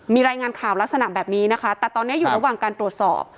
มีรายงานข่าวลักษณะแบบนี้นะคะแต่ตอนนี้อยู่ระหว่างการตรวจสอบ